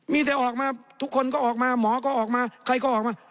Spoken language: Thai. มีแต่ออกมาทุกคนก็ออกมาหมอก็ออกมาใครก็ออกมา